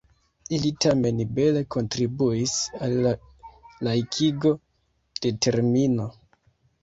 Ili tamen bele kontribuis al la laikigo de termino.